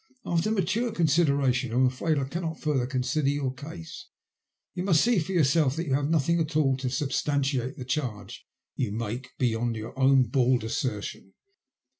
After mature consideration, I'm afraid I cannot further consider your case. You must see for your self that you have nothing at all to substantiate the charge you make beyond your own bald assertion.